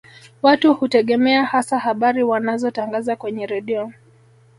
Watu hutegemea hasa habari wanazotangaza kwenye redio